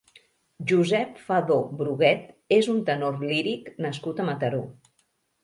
Josep Fadó Bruguet és un tenor líric nascut a Mataró.